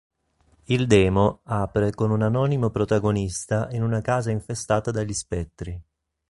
Il demo apre con un anonimo protagonista in una casa infestata dagli spettri.